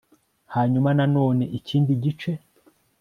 Hanyuma nanone ikindi gice